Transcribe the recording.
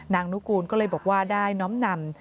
นุกูลก็เลยบอกว่าได้น้อมนำ